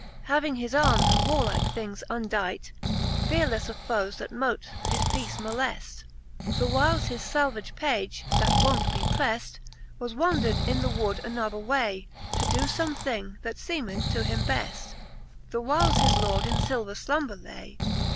Having his armes and warlike things undight, FearlefTe of foes, that mote his peace molefl: ; The whyles his falvage page, that wojit bepreft. Was wandred in the wood another way, To doe fome thing, that feemcd to him beft. The whyles his Lord in filver jQomber lay.